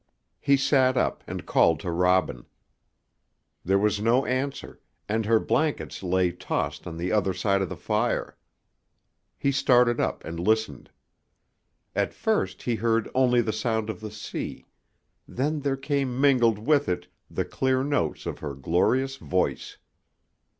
He sat up and called to Robin. There was no answer, and her blankets lay tossed on the other side of the fire. He started up and listened. At first he heard only the sound of the sea; then there came mingled with it the clear notes of her glorious voice.